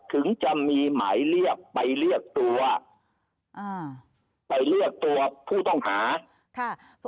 ถึงจะมีหมายเรียกไปเรียกตัวอ่าไปเรียกตัวผู้ต้องหาค่ะ